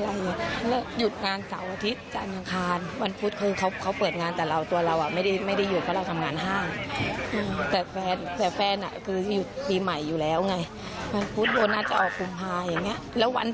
แล้ววันที่หนึ่งพี่คิดดูหนึ่งว่าอีกมั้งเป็นอย่างไร